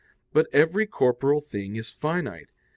But every corporeal thing is finite.